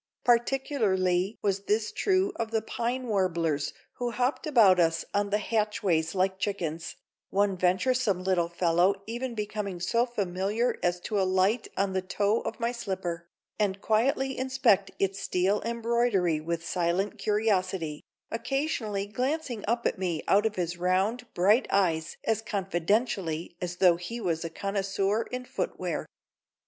Particularly was this true of the pine warblers who hopped about us on the hatchways like chickens, one venturesome little fellow even becoming so familiar as to alight on the toe of my slipper, and quietly inspect its steel embroidery with silent curiosity, occasionally glancing up at me out of his round, bright eyes as confidentially as though he was a connoisseur in footwear.